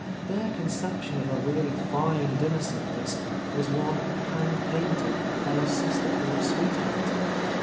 Their conception of a really fine dinner service was one "hand painted" by a sister or sweetheart.